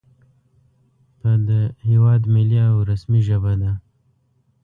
په د هېواد ملي او رسمي ژبه ده